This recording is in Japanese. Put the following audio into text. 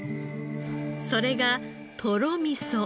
それがとろみそ。